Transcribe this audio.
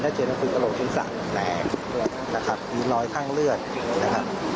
ถ้าเจนต้องคือกระโหลทีสักแหลงยืนลอยข้างเลือดนะครับ